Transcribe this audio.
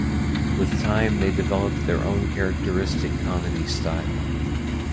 With time they developed their own characteristic comedy style.